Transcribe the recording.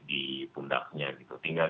di pundaknya gitu tinggal